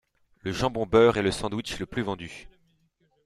Le jambon beurre est le sandwich le plus vendu.